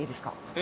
え？